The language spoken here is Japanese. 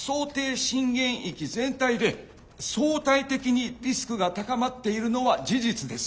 震源域全体で相対的にリスクが高まっているのは事実です。